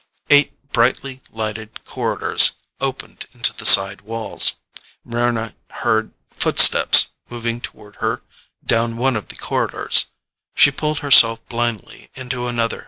Eight brightly lighted corridors opened into the side walls. Mryna heard footsteps moving toward her down one of the corridors; she pulled herself blindly into another.